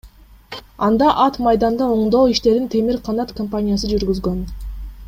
Анда ат майданда оңдоо иштерин Темир Канат компаниясы жүргүзгөн.